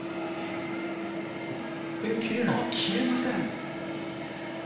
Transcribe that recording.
切れません。